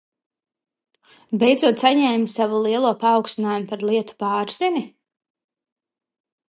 Beidzot saņēmi savu lielo paaugstinājumu par lietu pārzini?